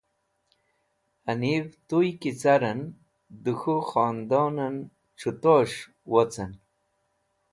Hanives̃h Tuyki Caren, De k̃hu Zodbuden C̃huto es̃h Wocen